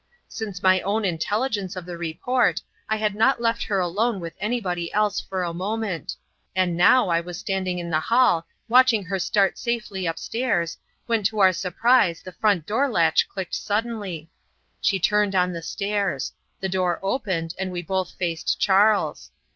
Since my own intelligence of the report I had not left her alone with anybody else for a moment; and now I was standing in the hall watching her start safely up stairs, when to our surprise the front door latch clicked suddenly; she turned on the stairs; the door opened, and we both faced Charles.